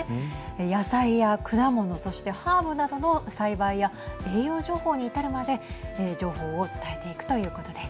野菜や果物そしてハーブなどの栽培や栄養情報に至るまで情報を伝えていくということです。